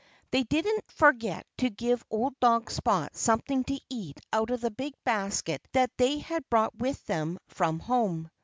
They didn't forget to give old dog Spot something to eat out of the big basket that they had brought with them from home.